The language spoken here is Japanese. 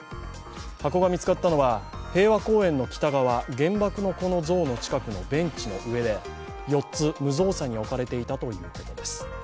箱が見つかったのは平和公園の北側、原爆の子の像の近くのベンチの上で、４つ、無造作に置かれていたということです。